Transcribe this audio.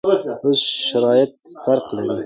اوس شرایط فرق لري.